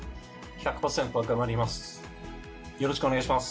１００％頑張ります。